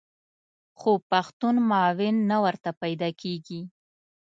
خو پښتون معاون نه ورته پیدا کېږي.